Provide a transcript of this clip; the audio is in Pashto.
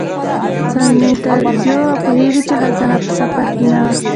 سانتیاګو پوهیږي چې خزانه په سفر کې نه وه.